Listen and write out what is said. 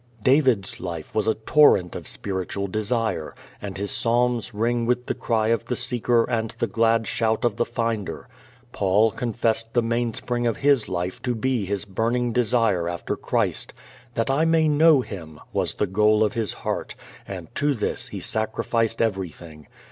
David's life was a torrent of spiritual desire, and his psalms ring with the cry of the seeker and the glad shout of the finder. Paul confessed the mainspring of his life to be his burning desire after Christ. "That I may know Him," was the goal of his heart, and to this he sacrificed everything.